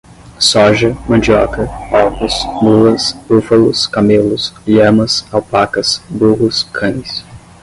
soja, mandioca, ovos, mulas, búfalos, camelos, lhamas, alpacas, burros, cães